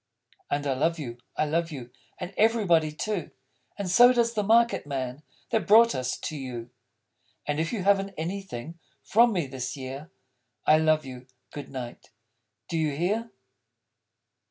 _ And I love you, I love you; And everybody, too. And so does the market man That brought us you! And if you haven't Anything For me, this year, _I love you. Good night! Do you hear?